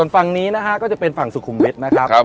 ฝั่งนี้นะฮะก็จะเป็นฝั่งสุขุมวิทย์นะครับ